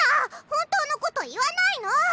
本当のこと言わないの！